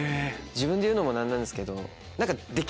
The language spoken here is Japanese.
自分で言うのも何なんですけど。